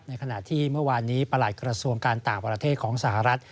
ขณะที่เมื่อวานนี้ประหลัดกระทรวงการต่างประเทศของสหรัฐ